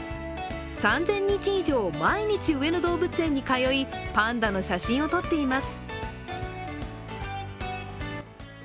３０００日以上、毎日、上野動物園に通い、パンダの写真を撮っています。